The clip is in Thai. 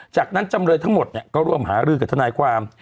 จากนั้นจำเลยทั้งหมดก็ร่วมหารือกับทนายความ